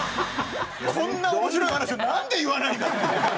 こんな面白い話をなんで言わないんだっていう。